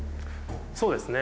そうですね。